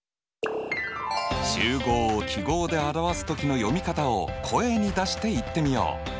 集合を記号で表す時の読み方を声に出して言ってみよう。